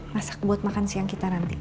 masak buat makan siang kita nanti